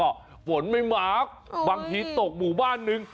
และพอฝนไม่มากอุ๊ยบางทีตกหมู่บ้านนึง